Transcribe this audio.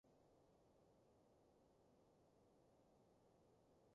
大概佔本地生產總值百分之二